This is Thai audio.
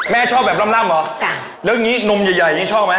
แม่ชอบแบบลำเหรอแล้วนี้นมใหญ่ชอบไหม